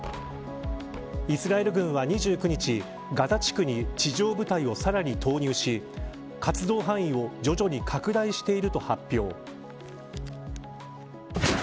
イスラエル軍は２９日ガザ地区に地上部隊をさらに投入し活動範囲を徐々に拡大していると発表。